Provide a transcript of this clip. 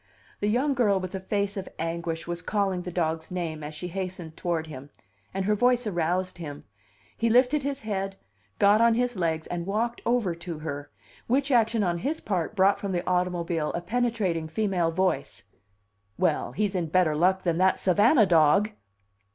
The young girl, with a face of anguish, was calling the dog's name as she hastened toward him, and her voice aroused him: he lifted his head, got on his legs, and walked over to her, which action on his part brought from the automobile a penetrating female voice: "Well, he's in better luck than that Savannah dog!"